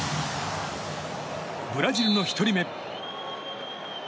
ブラジルの１人目。